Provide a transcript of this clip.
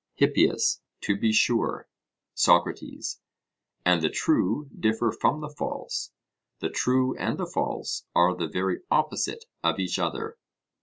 HIPPIAS: To be sure. SOCRATES: And the true differ from the false the true and the false are the very opposite of each other?